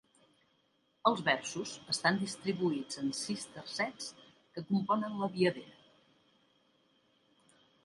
Els versos estan distribuïts en sis tercets que componen la viadera.